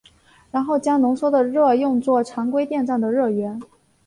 然后将浓缩的热用作常规电站的热源。